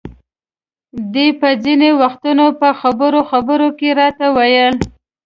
دې به ځینې وختونه په خبرو خبرو کې راته ویل.